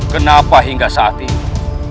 kenapa hingga saat ini